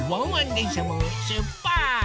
でんしゃもしゅっぱつ！